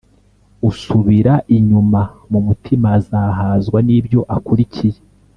usubira inyuma mu mutima azahazwa n’ibyo akurikiye,